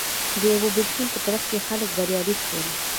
د یوه بېلتون په ترڅ کې خلک بریالي شول